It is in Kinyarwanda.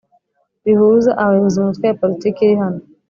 bihuza Abayobozi mu Mitwe ya politiki iri hano